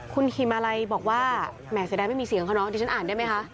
คุณฮิมาลัยบอกว่าแหม่เสียดายไม่มีเสียงเขาเนอะดิฉันอ่านได้ไหมคะ